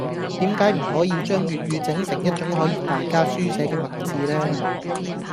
點解唔可以將粵語整成一種可以大家書寫嘅文字呢?